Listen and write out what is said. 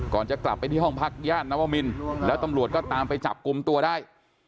จะกลับไปที่ห้องพักย่านนวมินแล้วตำรวจก็ตามไปจับกลุ่มตัวได้